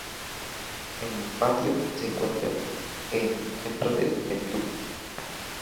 En el patio se encuentra en Templo de Neptuno.